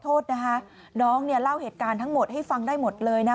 โทษนะคะน้องเนี่ยเล่าเหตุการณ์ทั้งหมดให้ฟังได้หมดเลยนะ